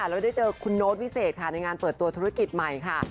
แล้วได้เจอคุณโน้ตวิเศษค่ะในงานเปิดตัวธุรกิจใหม่ค่ะ